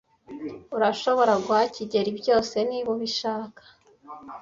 Urashobora guha kigeli byose, niba ubishaka.